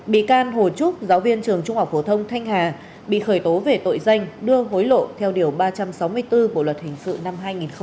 bị can hồ trúc giáo viên trường trung học phổ thông thanh hà bị khởi tố về tội danh đưa hối lộ theo điều ba trăm sáu mươi bốn bộ luật hình sự năm hai nghìn một mươi năm